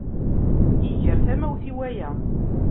Iger tamawt i waya.